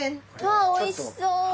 わあおいしそう！